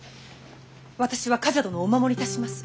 私は冠者殿をお守りいたします。